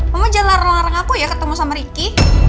mama jangan larang larang aku ya ketemu sama ricky